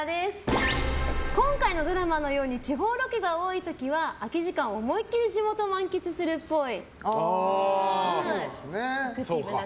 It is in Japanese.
今回のドラマのように地方ロケが多い時は空き時間、思いきり地元を満喫するっぽい。